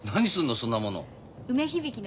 そんなもの。